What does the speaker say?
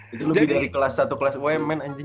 itu lebih dari kelas satu kelas omn anjing